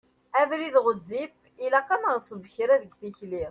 Abrid ɣezzif, ilaq ad neɣṣeb kra deg tikli.